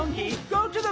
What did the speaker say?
そっちだ！